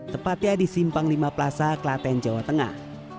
tepatnya di simpang lima plaza klaten jawa tengah